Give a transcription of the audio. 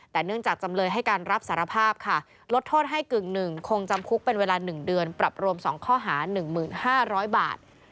แต่เนื่องจากจำเลยให้การรับสารภาพค่ะลดโทษให้กึ่งหนึ่งคงจำคุกเป็นเวลา๑เดือนปรับรวม๒ข้อหา๑๕๐๐บาท